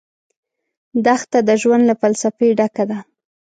دښته د ژوند له فلسفې ډکه ده.